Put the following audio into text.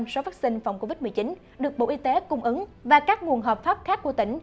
chín mươi số vaccine phòng covid một mươi chín được bộ y tế cung ứng và các nguồn hợp pháp khác của tỉnh